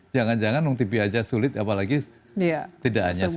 jangan jangan tb aja sulit apalagi tidak hanya